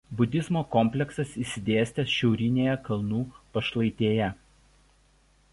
Budizmo kompleksas išsidėstęs šiaurinėje kalnų pašlaitėje.